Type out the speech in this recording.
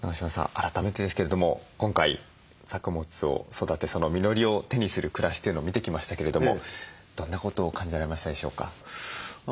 改めてですけれども今回作物を育てその実りを手にする暮らしというのを見てきましたけれどもどんなことを感じられましたでしょうか？